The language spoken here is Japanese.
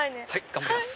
頑張ります。